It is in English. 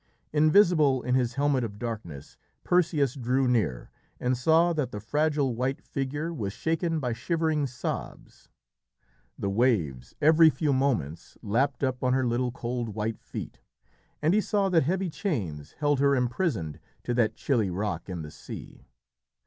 Invisible in his Helmet of Darkness, Perseus drew near, and saw that the fragile white figure was shaken by shivering sobs. The waves, every few moments, lapped up on her little cold white feet, and he saw that heavy chains held her imprisoned to that chilly rock in the sea.